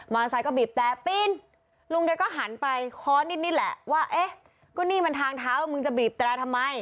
ไซค์ก็บีบแต่ปีนลุงแกก็หันไปค้อนนิดแหละว่าเอ๊ะก็นี่มันทางเท้ามึงจะบีบแตรทำไม